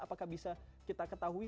apakah bisa kita ketahui